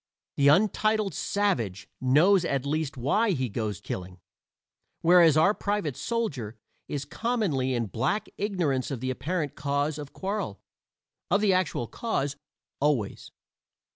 The untitled savage knows at least why he goes killing, whereas our private soldier is commonly in black ignorance of the apparent cause of quarrel of the actual cause, always.